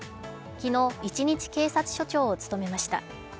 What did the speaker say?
昨日、一日警察署長を務めました。